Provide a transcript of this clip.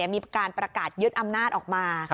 มีการประกาศยึดอำนาจออกมา